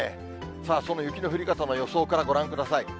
さあ、その雪の降り方の予想からご覧ください。